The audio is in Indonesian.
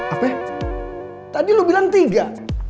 apa ya tadi lu bilang tiga